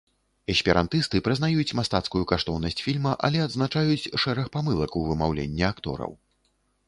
Эсперантысты прызнаюць мастацкую каштоўнасць фільма, але адзначаюць шэраг памылак у вымаўленні актораў.